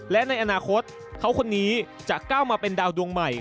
และในอนาคตเขาคนนี้จะก้าวมาเป็นดาวดวงใหม่